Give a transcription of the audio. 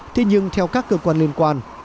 thế nhưng theo các cơ quan liên quan